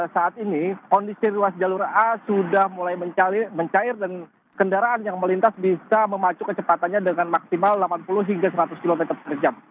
saat ini kondisi ruas jalur a sudah mulai mencair dan kendaraan yang melintas bisa memacu kecepatannya dengan maksimal delapan puluh hingga seratus km per jam